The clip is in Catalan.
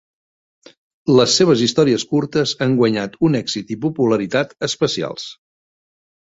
Les seves històries curtes han guanyat un èxit i popularitat especials.